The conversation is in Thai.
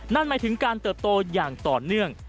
นั่นหมายถึงการเติบโตอย่างต่อเนื่อง